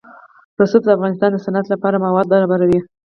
رسوب د افغانستان د صنعت لپاره مواد برابروي.